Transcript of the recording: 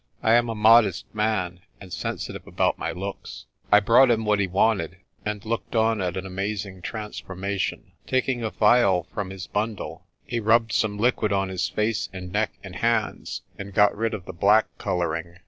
I am a modest man, and sensitive about my looks." I brought him what he wanted, and looked on at an amazing transformation. Taking a phial from his bundle, he rubbed some liquid on his face and neck and hands, and got rid of the black colouring.